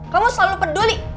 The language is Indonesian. kamu selalu peduli